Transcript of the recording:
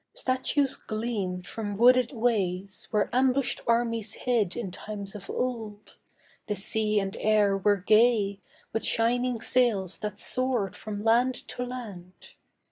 Statues gleamed From wooded ways, where ambushed armies hid In times of old. The sea and air were gay With shining sails that soared from land to land.